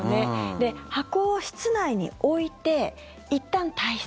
で、箱を室内に置いていったん退室。